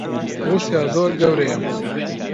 ڕووسیا زۆر گەورەیە.